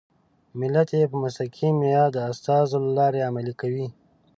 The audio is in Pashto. ملت یې په مستقیم یا د استازو له لارې عملي کوي.